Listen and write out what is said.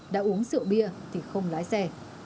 và uống rượu bia thì không lái xe